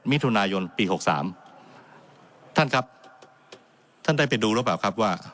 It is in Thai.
มิถุนายนปีหกสามท่านครับท่านได้ไปดูหรือเปล่าครับว่า